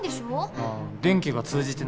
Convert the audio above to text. ああ電気が通じてないか。